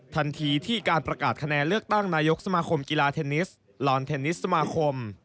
ทันทีที่การประกาศคะแนนเลือกตั้งนายกสมาคมกีฬาเทนนิสลอนเทนนิสสมาคม